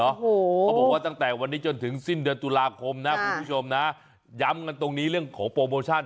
เขาบอกว่าตั้งแต่วันนี้จนถึงสิ้นเดือนตุลาคมนะคุณผู้ชมนะย้ำกันตรงนี้เรื่องของโปรโมชั่น